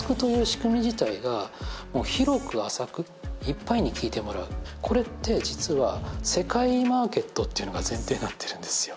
広く浅くいっぱいに聴いてもらうこれって実は世界マーケットっていうのが前提になってるんですよ。